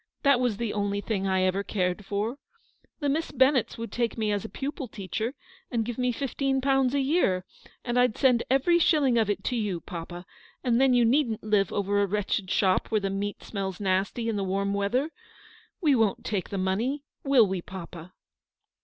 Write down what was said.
That was the only thing I ever cared for. The Miss Bennetts would take me as a pupil teacher, and give me fifteen pounds a year, and I'd send every shilling of it to you, papa, and then you needn't live over a wretched shop where the meat smells nasty in the warm weather. "We won't take, the money, will we, papa